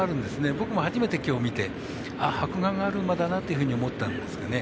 僕も、初めて今日見てああ、白眼がある馬だなと思ったんですね。